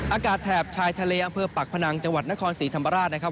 แถบชายทะเลอำเภอปากพนังจังหวัดนครศรีธรรมราชนะครับ